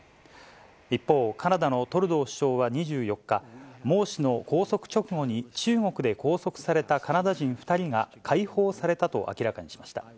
一方、カナダのトルドー首相は２４日、孟氏の拘束直後に中国で拘束されたカナダ人２人が解放されたと明らかにしました。